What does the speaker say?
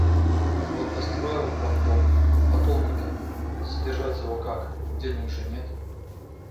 Вот построил он дом, а толку-то? Содержать его как, денег же нет.